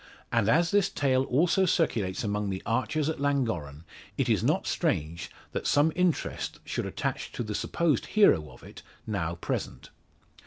And as this tale also circulates among the archers at Llangorren, it is not strange that some interest should attach to the supposed hero of it, now present.